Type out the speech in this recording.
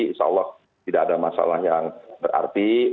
insya allah tidak ada masalah yang berarti